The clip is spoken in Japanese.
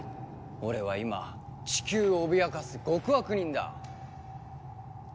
俺は今チキューを脅かす極悪人だ。